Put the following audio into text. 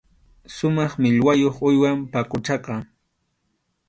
Sumaq millwayuq uywam paquchaqa.